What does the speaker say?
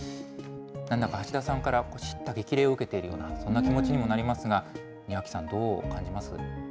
なんだか橋田さんから叱咤激励を受けているような、そんな気持ちにもなりますが、庭木さん、どう感じます。